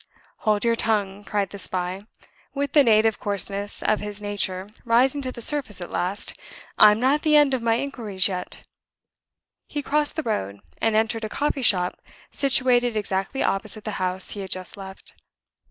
"Hold your tongue," cried the spy, with the native coarseness of his nature rising to the surface at last. "I'm not at the end of my inquiries yet." He crossed the road, and entered a coffee shop situated exactly opposite the house he had just left.